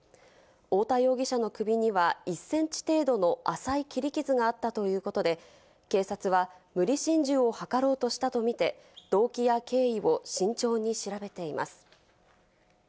太田容疑者の首には１ｃｍ程度の浅い切り傷があったということで、警察は無理心中を図ろうとしたとみて、動機や経緯を慎重に調べています。